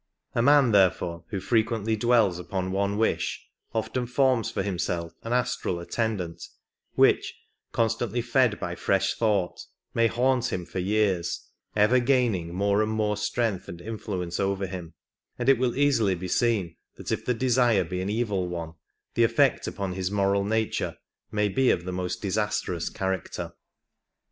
A man, therefore, who frequently dwells upon one wish often forms for himself an astral attendant which, constantly fed by fresh thought, may haunt him for years, ever gaining more and more strength and influence over him ; and it will easily be seen that if the desire be an evil one the effect upon his moral nature may be of the most disastrous character.